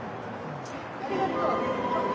ありがとう。